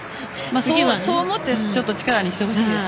そう思って力にしてほしいです。